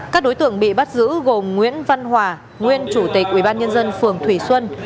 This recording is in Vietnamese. các đối tượng bị bắt giữ gồm nguyễn văn hòa nguyên chủ tịch ủy ban nhân dân phường thủy xuân